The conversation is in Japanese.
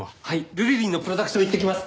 ルリリンのプロダクションに行ってきます。